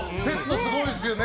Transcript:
すごいですね。